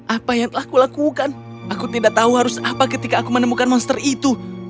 apa yang telah kulakukan aku tidak tahu harus apa ketika aku menemukan monster itu